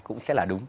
cũng sẽ là đúng